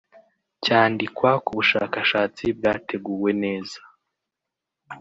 cyandikwa ku bushakashatsi bwateguwe neza